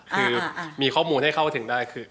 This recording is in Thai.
คือมีข้อมูลให้เข้าถึงได้คือ